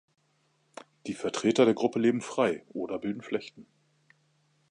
Die Vertreter der Gruppe leben frei oder bilden Flechten.